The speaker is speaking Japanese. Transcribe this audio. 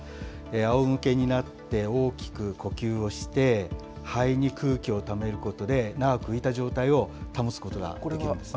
仰向けになって大きく呼吸をして、肺に空気をためることで、長く浮いた状態を保つことができるんですね。